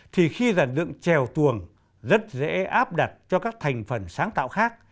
thì khi giản dựng trèo tuồng rất dễ áp đặt cho các thành phần sáng tạo khác